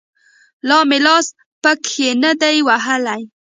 لا مې لاس پکښې نه دى وهلى.